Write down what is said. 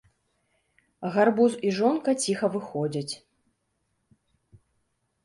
Гарбуз і жонка ціха выходзяць.